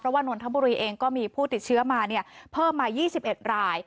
เพราะว่านทัพบุรีเองก็มีผู้ติดเชื้อมาเนี่ยเพิ่มมายี่สิบเอ็ดราย